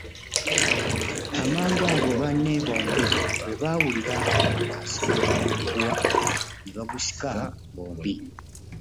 Amangu ago banne bombi bwe baawulira nga asika omuguwa ne bagusika bombi.